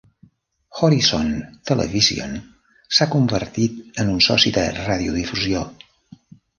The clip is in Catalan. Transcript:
Horizon Television s'ha convertit en un soci de radiodifusió.